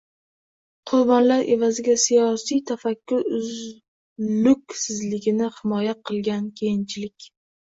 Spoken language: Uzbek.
qurbonlar evaziga siyosiy tafakkur uzluksizligini himoya qilgan, keyinchalik